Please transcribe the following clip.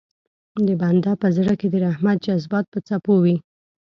د بنده په زړه کې د رحمت جذبات په څپو وي.